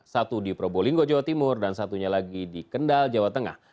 satu di probolinggo jawa timur dan satunya lagi di kendal jawa tengah